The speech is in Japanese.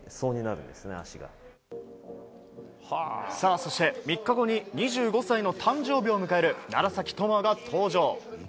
そして、３日後に２５歳の誕生日を迎える楢崎智亜が登場。